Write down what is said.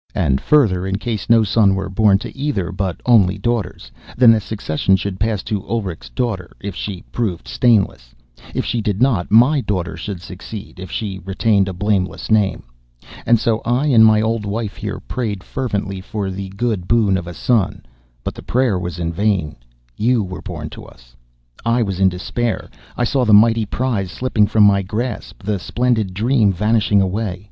And further, in case no son, were born to either, but only daughters, then the succession should pass to Ulrich's daughter, if she proved stainless; if she did not, my daughter should succeed, if she retained a blameless name. And so I, and my old wife here, prayed fervently for the good boon of a son, but the prayer was vain. You were born to us. I was in despair. I saw the mighty prize slipping from my grasp, the splendid dream vanishing away.